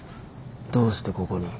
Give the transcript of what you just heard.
どうしてここに？